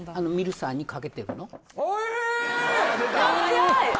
早い！